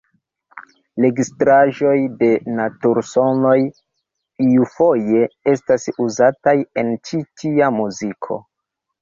Registraĵoj de natur-sonoj iufoje estas uzataj en ĉi tia muziko.